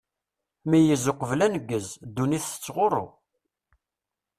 Meyyez uqbel aneggez, ddunit tettɣuṛṛu!